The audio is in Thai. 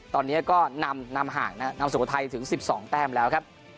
ตอนนี้ก็นำห่างนำสุโขทัยถึง๑๒แต้มแล้วครับ